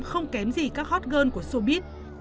không kém gì các hot girl của showbiz